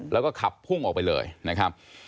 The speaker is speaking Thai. แล้วก็ขับพุ่งออกไปเลยนะครับ